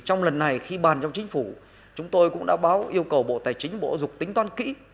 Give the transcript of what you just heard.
trong lần này khi bàn trong chính phủ chúng tôi cũng đã báo yêu cầu bộ tài chính bộ dục tính toán kỹ